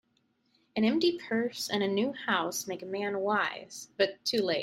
An empty purse, and a new house, make a man wise, but too late.